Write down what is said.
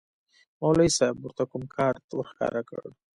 مولوي صاحب ورته کوم کارت ورښکاره کړ.